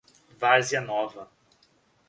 Várzea Nova